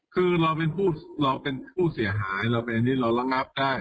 คือเราเป็นผู้เราเป็นผู้เสียหายเราเป็นอันนี้เราระงับได้